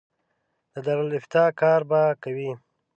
د دارالافتا کار به کوي.